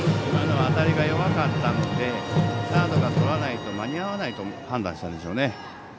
当たりが弱かったのでサードがとらないと間に合わないと判断したんでしょうね。